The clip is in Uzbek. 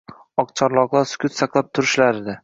Oqcharloqlar sukut saqlab turishardi